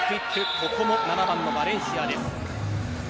ここも７番のバレンシアです。